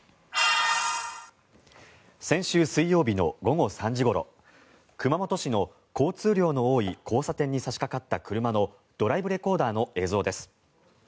先週水曜日の午後３時ごろ熊本市の交通量の多い交差点に差しかかった車のドライブレコーダーの映像です。